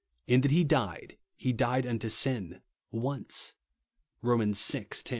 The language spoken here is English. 2S). "In that he died, he died unto sin once'' (Horn. vi. 10).